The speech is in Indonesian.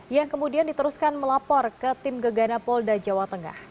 yang kemudian diteruskan melapor ke tim gegana polda jawa tengah